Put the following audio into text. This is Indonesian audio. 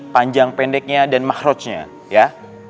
panjang pendeknya dan makhrojnya ya